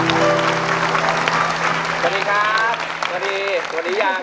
สวัสดีครับสวัสดีสวัสดีครับ